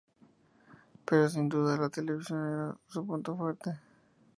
Pero sin duda la televisión era su punto fuerte.